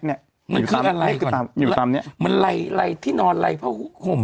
เนี้ยมันคืออะไรอยู่ตามเนี้ยมันไหล่ไหล่ที่นอนไหล่เพราะห่ม